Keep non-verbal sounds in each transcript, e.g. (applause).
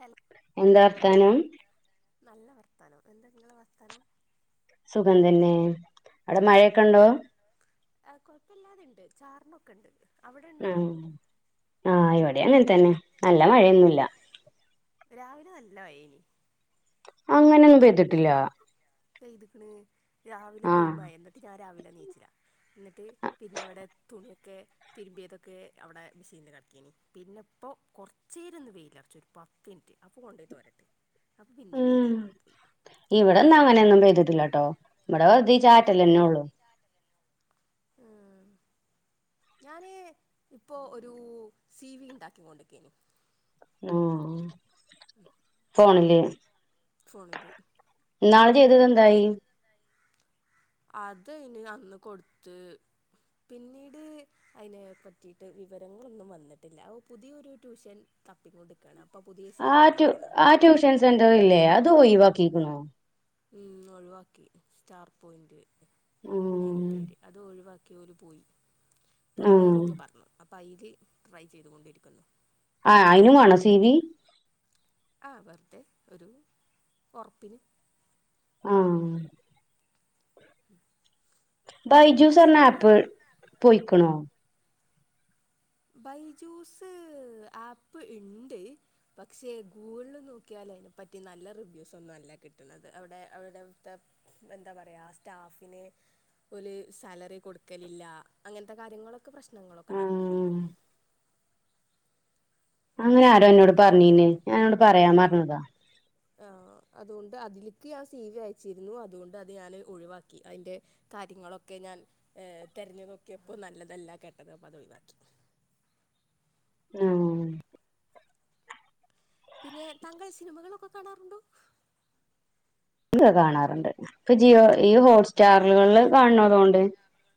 Hello എന്താ അർത്ഥാനം നല്ല വർത്താനം എന്താ നിങ്ങളെ വർത്താനം സുഖം തന്നെ ആടെ മഴയൊക്കെ ഇണ്ടോ ആ കുഴപ്പമില്ലാതെ ഇണ്ട് ചാറിനൊക്കെ ഉണ്ട് ആ ആഹ് ഇവിടെ അങ്ങെത്തന്നെ നല്ല മഴയൊന്നുമല്ല രാവിലെ നല്ല വയനി അങ്ങനെയൊന്നും പെയ്തിട്ടില്ല പെയ്ത്ക്ണ് രാവിലെ ആ പെരുമ്പ എന്നിട്ട് ഞാൻ രാവിലെ നീച്ചില എന്നിട്ട് പിന്നെ ഇവിടെ തുണിയൊക്കെ തിരുമ്പിയതൊക്കെ അവിടെ മെസിൽ കെടകെനി പിന്നെ ഇപ്പോ കൊറച്ചേര ഒന്ന് വെയിലറച്ചു ഒരു പത്ത് മിനിറ്റ് അപ്പൊ കൊണ്ടപോയി തോരട്ടെ അപ്പൊ പിന്നെ മപെയ്ദ് ഉം പോയി അപ്പൊ പിന്നെ കടന ട്ടോ വിടെ വെറുതെ ഈ ചാറ്റല്ലന്നെ ഉള്ളു ഉം (inaudible) ഞാന് ഇപ്പോ ഒരു സി വി ഇണ്ടാകി കൊണ്ടിരിക്കെനി ആഹ് ഉം പോണില്ലേ ഫോണില് നാളെ ചെയ്തത് എന്തായി അത് ഇനി അന്ന് കൊടുത്ത് പിന്നീട് അതിനെ പറ്റിട്ട് വിവരങ്ങളൊന്നും വന്നിട്ടില്ല അ പുതിയൊ ഒരു ട്യൂഷൻ തപ്പി കൊണ്ടിരിക്കാണ് ആ റ്റ്യു ആ ട്യൂഷൻ സെന്റർല്ലേ അത് ഒഴിവാക്കിക്കണോ ഉം ഒഴിവാക്കി സ്റ്റാർ പോയിന്റ് അനി ഉം പേര് അത് ഒഴിവാക്കി ഒ ഓക്കെര് പോയി അപ്പൾ ഉം വേറൊന്ന് പറഞ്ഞു അപ്പൾ അതിൽ ട്രൈ ചെയ്തുകൊണ്ടിരിക്കുന്നു ആ അയിനു ആണ സി വി ആ വെറതെ ഒരു ഉറപ്പിന് ആ ഉം ബൈജ്യൂസ് പറഞ്ഞാ ആപ്പ് പൊയിക്ണോ ബൈജൂസ് ആപ്പ് ഇണ്ട് പക്ഷെ ഗൂഗിളിൽ നോക്കിയാൽ തിനെ പറ്റി നല്ല റിവ്യൂസ് ഒന്നുംല്ല കിട്ട അവിടെ അവിത്തെ എന്താ പറയാ സ്റ്റാഫ ഒരു സാലറി കൊടുക്കലില്ല അങ്ങനത്തെ കാര്യങ്ങളൊക്കെ പ്രശ്നങ്ങളൊക്കെ നടക്കുന്നുണ്ട് ഉം അങ്ങനെ ആരോ എന്നോട് പറഞ്ഞീന്നെ ഞാനോട് പറയാ പറഞ്ഞതാ ആ, അതുകൊണ്ട് അതിലേക്ക് സി വി അയച്ചിരുന്നു അതുകൊണ്ട് അത് ഞാന് ഒഴിവാക്കി അതിന്റെ കാര്യങ്ങളൊക്കെ ഞാൻ ഏ തെരഞ്ഞു നോക്കിയപ്പോ നല്ലതല്ല കേട്ടത്അ പതൊഴിവാക്കി ആഹ പിന്നെ താങ്കൾ സിനിമകളൊക്കെ കാണാറുണ്ടോ എന്താ കാണാറുണ്ട് ഇപ്പൊ ജിയോ ഈ ഹോട്ട് സ്റ്റാറുകള് എങ്ങ കാണണ തോണ്ട്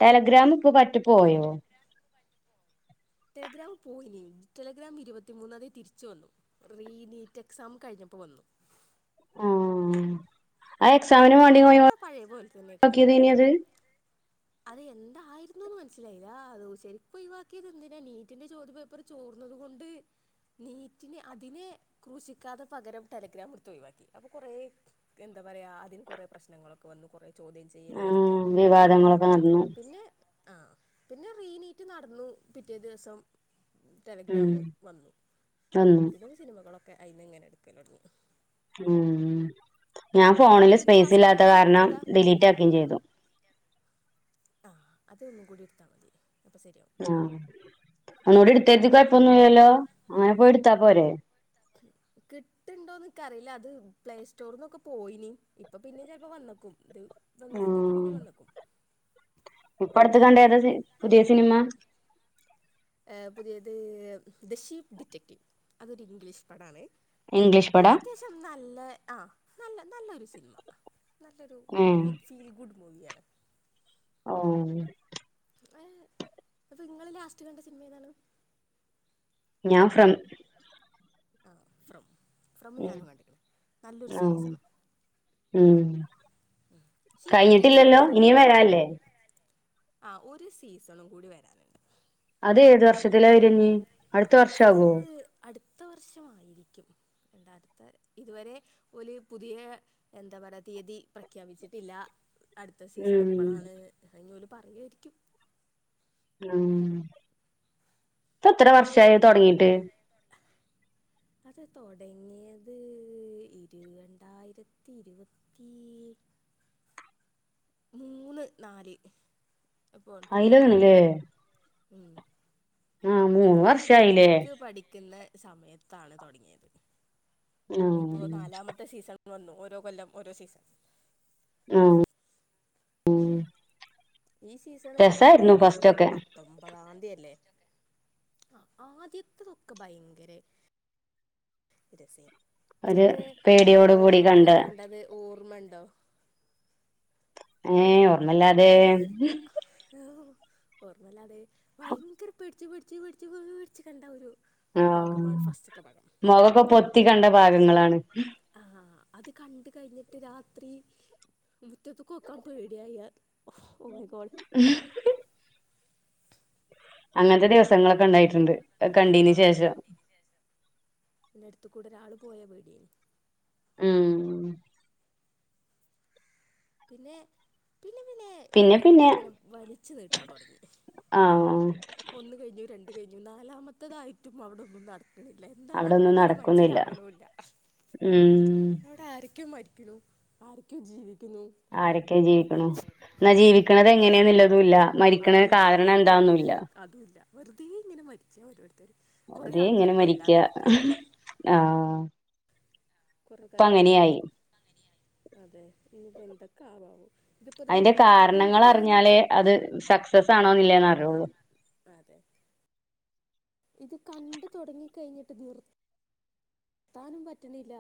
ടെലഗ്രാമ ഇപ്പോൊ പറ്റെ പോയോ ടെലിഗ്രാം പോയി ടെലിഗ്രാം ഇരുപത്തി മൂന്നത തിരിച്ചു വന്നു റീ നീറ്റ് എക്സാം കഴിഞ്ഞപ്പോ അ വന്നു (unintelligible) ആ ആ എക്സാമിനന് വേണ്ടി ഇപ്പൊ ഇപ്പൊ (unintelligible) പഴയ പോലെ തന്നെക്കണ് ക്കിയത് ഇനി അത് അത് എന്തായിരുന്നുന്ന് മനസ്സിലായില്ല ആ ചെലപ്പോ ഓയിവാക്കിയത് എന്തിനാ നീറ്റിന്റെ ചോദ്യം പേപ്പർ ചോർ എന്നത കൊണ്ട് നീറ്റിന് അതിനെ കുശിക്കാതെ പകരം ടെലഗ്രാം എടുത്ത് ഒഴിവാക്കി അപ്പൊ കൊറെ എന്താ എന്താ പറയാ അതിന് കൊറെ പ്രശ്നങ്ങളൊക്കെ വന്നു കുറേ ചോദ്യം ചെയ്യലുകളൊക്കെ ആഹ് വിവാദങ്ങളൊക്കെ ഉയർന്നിരുന്നു നടന്നു പിന്നെ ആഹ പിന്നെ റീനീറ്റ് നടന്നു പിറ്റേ ദിവസം ഉം ടെലിഗ്രാമ് വന്നു വന്നു പിന്നെ സിനിമകളൊക്കെ അയിനി എങ്ങനെ എടുക്കൽ തുടങ്ങി ഉം ഞാൻ ഇപ്പൊ ഫോണില് പുതിയത് സ്പേസ് ലാസ്റ്റ് കണ്ട ഇല്ലാത്ത സിനിമ കാരണം ഏതാ ഡിലീറ്റ് ആക്കുകയും ചെയ്തു ആഹ അത ഒന്നും കൂടി എടുത്ത് മതി അപ്പൊ ശരിയാവും ആ ഒന്നുടെ എടുത്തുകാരതി കൊഴപ്പൊന്നുംല്ലോ അങ്ങനെ പോയി എടുത്താ പോരെ (inaudible) കിട്ടുണ്ടോ എന്ന് ഇൻക്ക് അറിയില്ല അത് പ്ലേ സ്റ്റോറിന്നൊക്കെ പോയിനി ഇപ്പൊ പിന്നെ ചിലപ്പോ വന്നക്കും ഇത് വന്ന സ്ഥിതിക്ക് ആഹ് പിന്നെ വന്നക്കും ഇപ്പ അടുത്ത് കണ്ട ഏതാ പുതിയ സിനിമ പുതിയത് ദി ഷീപ്പ് ഡിറ്റക്റ്റീവ് അതൊരു ഇംഗ്ലീഷ് പടാണ് ഇംഗ്ലീഷ് പടാ അത്യാവശ്യം നല്ല ആഹ നല്ല നല്ലൊരു സിനിമ നല്ലൊരു ഏഹ് ഗുഡ് ഫീൽ ഗുഡ് മൂവിയാണ് ഓ ഏ അപ്പൊ നിങ്ങൾ ലാസ്റ്റ് കണ്ട സിനിമ ഏതാണ് ഞാൻ ഫ്രം ആ ഫ്രം ഫ്രം ഉം ഞാനും കണ്ടിക്കണ നല്ലൊരു സീരീസ് ആഹ് ആണ് ഉം ഷീപ്പ് ഡിറ്റക്റ്റീവ് കഴിഞ്ഞിട്ടില്ലല്ലോ ഇനിയും നല്ലൊരു വരല്ലേ സിനിമയാണ് ആ ഒരു സീസണും കൂടി വരാനുണ്ട് അത് ഏത് വർഷത്തില വരഞ്ഞ് അടുത്ത വർഷ ആവോ പത്തു വർഷമായിരിക്കും ഇതുവരെ ഒപുതിയ എന്താ പറയ തീയതി പ്രഖ്യാപിച്ചിട്ടില്ല അടുത്ത സീസൺ ഉം എപ്പഴാണ് അത് പറയുകയായിരിക്കും ഉം ഇപ്പ എത്ര അപ്പോൾ വർഷമായി തുടങ്ങിയിട്ട് (inaudible) അത തുടങ്ങിയത് ഇരു രണ്ടായിരത്തി ഇരുപത്തി (inaudible) മൂന്ന് നാല് എപ്പോഴാണെന്ന് അയില് തോന്നുന്നു ല്ല ഉം. ഞാൻ വർഷായില്ലേ ഡിഗ്രിക്ക് പഠിക്കുന്ന സമയത്താണ് തുടങ്ങിയത് ആഹ വന്നു ഓരോ കൊല്ലം ഓരോ സീസൺ ആഹ് അത് ഈ സീസണ് രസായിരുന്നു ഏപ്രിൽ ഫസ്റ്റൊക്കെ പത്തൊമ്പതാം തീയതിയല്ലേ ആ ആദ്യത്തതൊക്കെ ഭയങ്കര രസെനിം ഒരു ഇന്നത്തെ പേടിയോട് കൂടി കണ്ട ഭാഗം കണ്ടത് ഓർമ്മ ഓർമ്മയുണ്ടോ ഏ ഓർമ്മല്ലാതെ ഓർമ്മല്ലാതെ ഭയങ്കര പേടിച്ചു പേടിച്ചു പേടിച്ചു പേടിച്ചു കണ്ട ഒരു ആഹ ഭാഗമാണ് ഫസ്റ്റ്ത്തെ ഭാഗം മുഖം ഒക്കെ പൊത്തി കണ്ട ഭാഗങ്ങളാണ് ആ അത് കണ്ട കഴിഞ്ഞിട്ട് രാത്രി മുറ്റത്ത് കൊക്കാൻ പേടിയായൽ ഹി ഹി ഹി അങ്ങനത്തെ ദിവസങ്ങളൊക്കെ ഉണ്ടായിട്ടുണ്ട് അത് കണ്ടീന് ശേഷം എന്റെ അടുത്ത് കൂടെ ഒരാള് പോയാ പേടി ആയിനിം ഉം പിന്നെ പിന്നെ പിന്നെ ഓൽ ഇങ്ങനെ വലിച്ചു നീട്ടാൻ തുടങ്ങി ആഹ് ഒന്ന് കഴിഞ്ഞു രണ്ട് കഴിഞ്ഞു നാലാമത്തതായിട്ടും അവിടെ ഒന്നും നടന്നില്ല ഇല്ല എന്താ അവിടൊന്നും നടക്ക്ണെ ന്ന് നടക്കുന്നില്ല മനസ്സിലാവണില്ല ഉം അവിടെ ആരൊക്കെ മരിക്കുന്ന ആരൊക്കെ ജീവിക്കുന്നു ആരൊക്കെ ജീവിക്കണേ എന്നാ ജീവിക്കണത് എങ്ങനെയാന്നുല്ല മരിക്കണ അതുല്ല കാരണം എന്താന്നുമില്ല അതുല്ല വെറുതെ ഇങ്ങന മരിച്ചേ ഓരോരുത്തർ വെറതെ ഇങ്ങനെ മരിക്ക ആഹ കുറേക്കാർ കൊല്ലാൻ അത അതെ ഇനിയിപ്പോൾ എന്തൊക്കെ ആവുമോ ആവോ അതിന്റെ കാരണങ്ങൾ അറിഞ്ഞാലേ അത് സക്സസ് ആണോന്നില്ലേന്ന് അറിയുള്ളൂ അതെ ഇത് കണ്ട് തുടങ്ങി കഴിഞ്ഞിട്ട് നിർതാൻ എത്താനും പറ്റണില്ല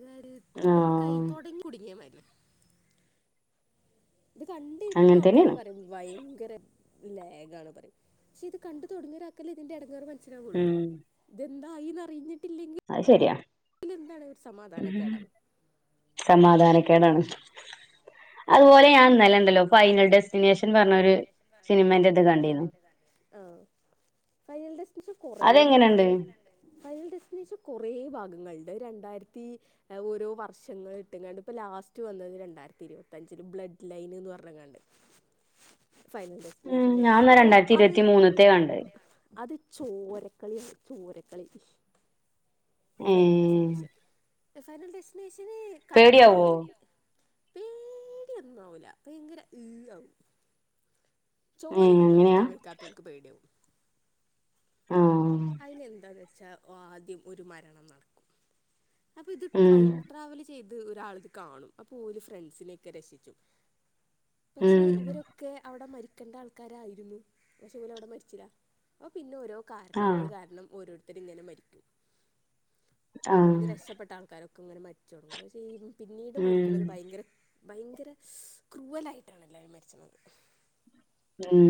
ഇതണ് തുടങ്ങി ആഹ് കയിജു തുടങ്ങി കുടുങ്ങിയ മാതിരിയാണ് ഇത് കണ്ടിരിക്കുന്ന അങ്ങനെ ആൾക്കാര് തന്നെയാണ് പറയയും വഴക്ക് ഭയങ്കര ലാഗാണ് പറയും പക്ഷെ ഇത് കണ്ട് തുടങ്ങിയ ഒരാൾക്കല്ലേ ഇതിന്റെ ഇടങ്ങർ മനസ്സിലാവൂ ഇത്രെയേള്ളു ഉം ഇതെന്തായി അറിഞ്ഞിട്ട് സമാധാനക്കേടാണ് സമാധാനക്കെടാണ് അതുപോലെ ഞാൻ ഇന്നലെ ഉണ്ടല്ലോ ഫൈനൽ ഡെസ്റ്റിനേഷൻ പറഞ്ഞ ഒരു സിനിമന്റെ ഇത് കണ്ടിനു ഫൈൽഡ്ഡ്സ് ഇച്ച് കുറേണ്ട് അതെങ്ങനെയുണ്ട് ഫൈൽ ഡെസ്റ്റിനേഷൻ കുറ ഭാഗങ്ങളുണ്ട് രണ്ടായിരത്തി ഓരോ വർഷങ്ങൾ ഇട്ട് കാണ്ട് ഇ ലാസ്റ്റ് വന്നത് രണ്ടായിരത്തി ഇരുപത്തി ത്തഞ്ചന് ബ്ലഡ് ലൈൻ എന്ന് പറഞ്ഞങ്ങാണ്ട് ഫൈനൽ ഉം ഡെസ്റ്റിനേഷന്റെ ഞാൻ എന്നാ ഓഹ് രണ്ടായിരത്തി അത് ഇരുപത്തി മൂന്നത്തെ കണ്ടത് അത് ചോരക്കളിയാണ് ചോരക്കളി ഫൈൽ ഏഹ് ഡെസ്റ്റിനേഷൻ ഫൈനൽ ഡെസ്റ്റിനേഷന് അത് പേടിയാവോ പേടി ഒന്നാവൂല ഭയങ്കരഈ ആവും ചോര ഏഹ് കണ്ടു അങ്ങനെയാ നിൽക്കാൻ വെയ് ക്കാത്തവർക്ക് പേടിയവും ആഹ് അതിലെന്താന്ന് വെച്ചാൽ ആദ്യം ഒരു മരണം നടക്കും അപ്പൊ ഇത് ഉം ട്രൈം ട്രാവൽ ചെയ്ത് ഒരാൾ ഇത് കാണും അപ്പൊ ഒരു ഫ്രണ്ട്സിനോക്കെ രക്ഷിച്ചു പക്ഷെ ഉം ഇവരൊക്കെ അവിടെ മരിക്ക കണ്ട ആൾക്കാരായിരുന്നു പക്ഷെ ഓൽ അവിടെ മരിച്ചില്ല അപ്പോ പിന്നെ ഓരോ കാരണങ്ങൾ ആഹ് കാരണം ഓരോത്ത ഇങ്ങനെ മരിക്കും ആഹ് അവിടുന്ന് രക്ഷപ്പെട്ട ആൾക്കാരൊക്കെ ഇങ്ങനെ മരിച്ചു തുടങ്ങും പക്ഷെ പിന്നീട് ഉം മരിക്കുന്നത് ഭയങ്കര ഭയങ്കര ക്രൂവലായിട്ടാണ് എല്ലാവരും മരിച്ചുന്നത് ഉം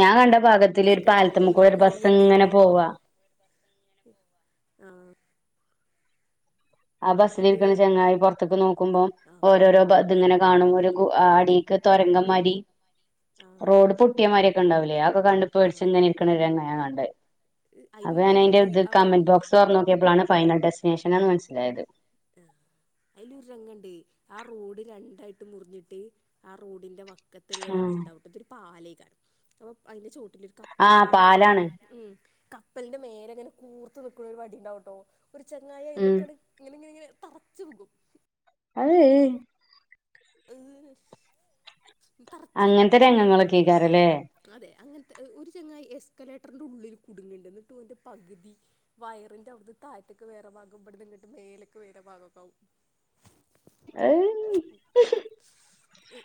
ഞാൻ കണ്ട ഭാഗത്തി ഒരു എസ്കലേറ്ററിന്റെ ഉള്ളിൽ പാലത്തമക്കൂടെ ഒരു ബസ് കുടുങ്ങുന്നുണ്ട് ഇങ്ങനെ പോവാ ആ ആ എന്നിട്ട് ബസ്സിലിരിക്ക്ണ ചങ്ങായി പൊറത്ത്ക്ക് നോക്കുമ്പോം ആ ഓരോരോ ത്ങ്ങനെ കാണുമ്പൊരു ഗുഹ അടീക്ക് തൊരങ്കമ്മാരി ആ റോഡ് പൊട്ടിയമാര്യോ ക്കെണ്ടാവൂലേ ആ ഇപ്പ കണ്ട് പേടിച്ച്ങ്ങനെ ഇരിക്ക്ണ ഒരുങ്ങ കണ്ട് അപ്പൊ അയിലൊരു ഞാന് അയിന്റെ രംഗണ്ട് ത് അവൻ കമന്റ് ബോക്സൊർ നോക്കിയപ്പളാണ് ഫൈനൽ ഡെസ്റ്റിനേഷനാന്ന് മനസ്സിലായത് (inaudible) ആഹ് അയിലൊരു രംഗണ്ടേയ് ആ റോഡ് രണ്ടായിട്ട് മുറിഞ്ഞിട്ട് ആ റോഡിന്റെ വ ആഹ് ക്കത്തുള്ളൊരാളുണ്ടാവുട്ടോ തൊരു പാലേയ്ക്കാരം അപൊ അയിന്റെ ചോ പിന്നൊരു ആഹ് കപ്പലുണ്ടാവും ഈ ക പാലാണ് ഉം കപ്പലിന്റെ മേലെങ്ങനെ കൂർത്ത് നിക്കണൊരു വടിണ്ടാവുട്ടോ ഒരു ചെങ്ങായി ഉം അയ്മക്ക്ണ്ട് ങ്ങനെങ്ങനെങ്ങനെ തറച്ചു വിഗും അഹ് ഹ് അഹ് തർച്ചണ്ട് അങ്ങനത്തെ രംഗങ്ങളൊക്കെ ആക്കാരല്ലേ അതെ അങ്ങനെ (inaudible) രു ചെങ്ങായി എസ്കലേറ്ററിന്റെ ഉള്ളിൽ കുടുങ്ങ്ണ്ട് ന്ന്ട്ട് ഓന്റെ പകുതി വയറിന്റെ അവിടുന്ന് തായത്ത്ക്ക് വേറെ മ്മക്ക്ബ്ട്ന്ന്ങ്ങ്ട്ട് മേലേക്ക് ഉയരം പാകൊക്കാവും ഏയ്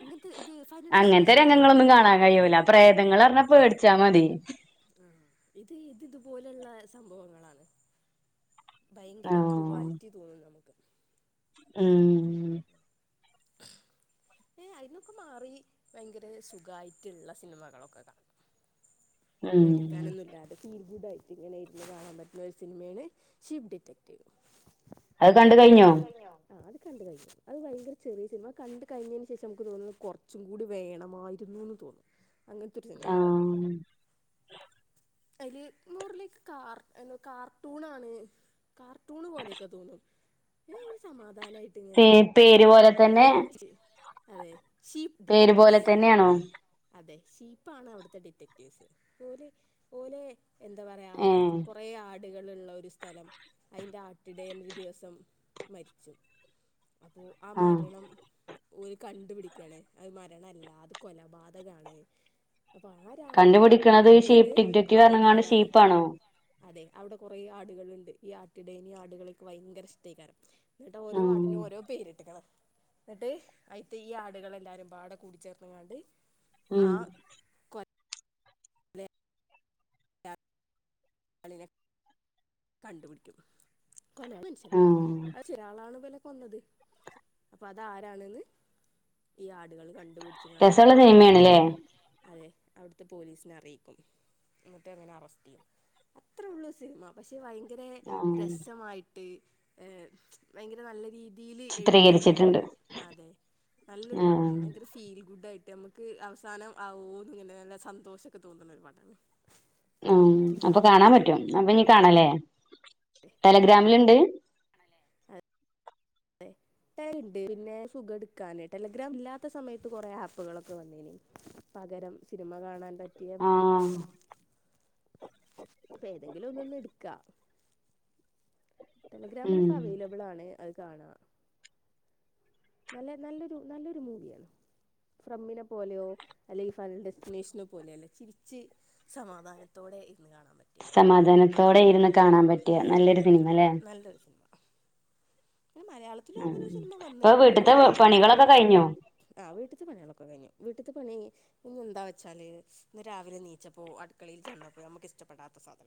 ഇങ്ങനത്തെ ഇത് ഫൈനൽ അങ്ങനത്തെ ഡെസ്റ്റിനേഷൻ എല്ലാം ഇങ്ങനെ രംഗങ്ങളൊന്നും കാണാൻ തന്നെയാണ് കഴിയൂല പ്രേതങ്ങള് റഞ്ഞാ പേടിച്ചാ മതി ഇത് ഇത് ഇതുപോലെള്ള സംഭവങ്ങളാണ് ഭയങ്കര ക്രൂവാലിറ്റി തോന്നും ഉം ഏ അയ്ന്നൊക്കെ മാറി ഭയങ്കര സുഖായിട്ട്ള്ള സിനിമകളൊക്കെ കാണും ഉം പേടിക്കാനൊന്നുല്ല അത് തീരിതായി ഇങ്ങനെ ഇരുന്ന് കാണാൻ പറ്റുന്ന ഒരു സിനിമയാണ് ഷിപ്പ് ഡിറ്റക്റ്റീവ് അത് കണ്ട് കഴിഞ്ഞോ ആ അത് കണ്ട് കഴിഞ്ഞു അത് ഭയങ്കര ചെറിയ സിനിമ കണ്ട കഴിഞ്ഞേന് ശേഷമുക്ക് തോന്നും കുറച്ചും കൂടി വേണമായിരുന്നുന്ന് തോന്നും അങ്ങനത്തെരു സിനിമേണ് ആഹ് അയില് നൂറിലേക്ക് കാർ എന്നോ കാർട്ടൂണാണ് കാർട്ടൂൺ പോലെയൊക്കെ തോന്നുംഏ ഒരു സമാധ പേ പേര് പോലെ തന്നെ അതെ ഷീപ്പ് പേര് പോലെ ഡിറ്റക്റ്റീവ്സ് തന്നെയാണോ അതെ ഷീപ്പാണ് അവിടുത്തെ ഡിറ്റക്റ്റീവ്സ് ഓലെ ഓലെ എന്താ പറയാ ഏഹ് കൊറെ ആ ട്കള് ള്ള ഒരു സ്ഥലം അയിന്റെ ആട്ടിടയൻ ഒരു ദിവസം മരിച്ചു അപ്പൊ ആ ആഹ് മരണം ഓല് കണ്ടുപിടിക്കാണ് അത് മരണല്ല അത് കൊലപാതകാണ് കണ്ടുപിടിക്കണത് ഷീപ്പ് ടിക്ടറ്റീവ് പറഞ്ഞ് ങ്ങാണ്ട് ആടുകളാണ് ഷീപ്പാണോ അതെ അവടെ കുറെേ ആടുകളുണ്ട് ഈ ആട്ടിടേന് ആടുകളെക്കെ ഭയങ്കര ഇഷ്ടയ്കരം ന്നിട്ട്ഓരോ ആടിനും ആഹ് ഓരോ പേര് ന്നിട്ട് അയിത്തെ ഈ ആടുകളെല്ലാരും പാടെ കൂടിച്ചേർന്ന്ങ്ങാണ്ട് ഉം കളിനെ കണ്ടുപിടിക്കും കൊല മനുഷ്യനാണ് ആഹ് അത് ചിരാളാണ് വലെ പ്പൊന്നത് അപ്പൊതാരാണ്ന്ന് ഈ ആടുകള് കണ്ട് പിടിച്ച്ങ്ങാണ്ട് രസള്ള അവി സിനിമയാണ്ല്ലേ അതെ അവിടുത്തെ പോലീസിനെ അറിയിക്കും എന്നിട്ട് അങ്ങനെ അറസ്റ്റിയ്യും അത്ര ഉള്ളൂ സിനിമ പക്ഷെ ഭയങ്കര ആഹ് രസമായി ട്ട് ഏ ച്ച് ഭയങ്കര നല്ല രീ തീല് എഴുതി ചിത്രീകരിച്ചിട്ടുണ്ട് അതെ നല്ലൊരു ആഹ് പടാണ് ഭയങ്കര ഫീലി ഗുഡായിട്ട് ട്ട് അമ്മുക്ക് അവസാനം ആവോന്ന്ങ്ങനെ നല്ല സന്തോഷൊക്കെ തോന്നുണൊരു പടാണ് ഉം അപ്പൊ കാണാൻ പറ്റും അപ്പൊ ഞ്ഞി അതെ കാണാലേ ടെലഗ്രാമില്ണ്ട് (unintelligible) ഉണ്ട് പിന്നെ സുഖം എടുക്കാന് ടെലഗ്രാം ഇല്ലാത്ത സമയത്ത് കൊറെേ ആപ്പുകളൊക്കെ വന്നേന് പകരം സിനിമ കാണാൻ പറ്റിയ ആഹ് അപ്പൊ ഏതെങ്കിലും ഒന്ന് ഒന്നു എടുക്ക ടെലഗ്രാമിൽ ഇപ്പൊ ഉം അവൈലബിൾ ആണ് അത് കാണാം നല്ല നല്ലൊരു നല്ലൊരു മൂവിയാണ് ഫ്രമ്മിനെ പോലെയോ അല്ലെങ്കിൽ ഫനൽ ഡെസ്റ്റിനേഷനെ പോലെയൊ അല്ല ചിരിച്ച് സമാധാനത്തോടെ ഇരുന്ന് കാണാൻ പറ്റിയ ഒരു പടം സമാധാനത്തോടെ ഇരുന്ന് കാണാൻ പറ്റിയ നല്ലൊരു സിനിമ അല്ലേ നല്ലൊരു സിനിമ പിന്നെ മലയാളത്തിലും ഉം അങ്ങനെ ഒരു സിനിമ ഇപ്പൊ വീട്ടത്തെ പണികളൊക്കെ കഴിഞ്ഞൊ ആഹ് വീട്ട്ത്ത പണികളൊക്കെ കഴിഞ്ഞു വീട്ട് ത്തെ പണി ഇന്ന് എന്താ വെച്ചാല് ഇന്ന് രാവിലെ എനീച്ചപ്പോ അടുക്കളയിൽ ചെന്നപ്പോ നമുക്ക് ഇഷ്ടപ്പെടാത്ത സാധന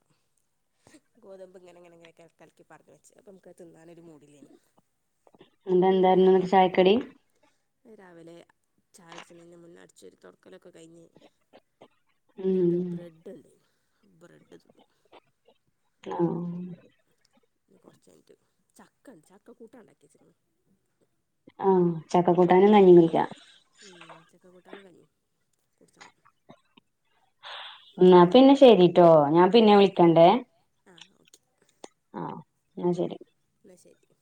ഗോതമ്പ് ഇങ്ങനെങ്ങനങ്ങനൊക്കെ കലക്കി പറഞ്ഞ് വച്ചു അപ്പ നമുക്കത് തിന്നാൻ ഒരു മൂഡില്ലേനി അത് കൊണ്ട് എന്തായിരുന്നു ഇന്ന് ചായക്കടി രാവിലെ ചായ കുടിച്ചതിന് മുന്നെ അടിച്ചൊരു തുടക്കലൊക്കെ കഴിഞ്ഞ് ഉം എന്നിട്ട് ബ്രെഡ് ബ്രെഡ് ആഹ് കൊറച്ചു കഴിഞ്ഞിട്ട് ചക്ക ണ്ട് ചക്ക കൂട്ടാൻ ഉണ്ടാക്കി വെച്ചേക്കണ് ആഹ് ചക്ക കൂട്ടാനൊന്നും (unintelligible) ഉം (unintelligible) എന്നാ എന്തേലും പിന്നെ ശെരിട്ടോ ഞാൻ പിന്നെ ആ വിളിക്കണ്ടേ ആ ഓക്കെ ആഹ് ആ ശരി ശരി